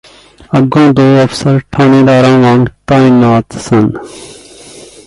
ਅੱਗੇ ਦੋ ਅਫਸਰ ਠਾਣੇਦਾਰਾਂ ਵਾਂਗ ਤਾਇਨਾਤ ਸਨ